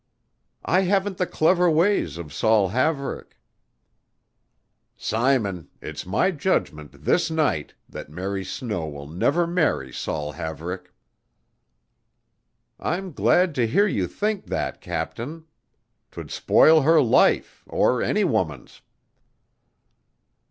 "I haven't the clever ways of Saul Haverick." "Simon, it's my judgment this night that Mary Snow will never marry Saul Haverick." "I'm glad to hear you think that, captain. 'Twould spoil her life or any woman's."